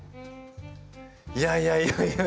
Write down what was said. いやいやいやいや！